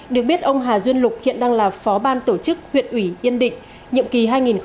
được biết ông hà duyên lục hiện đang là phó ban tổ chức huyện ủy yên định nhiệm kỳ hai nghìn một mươi năm hai nghìn hai mươi năm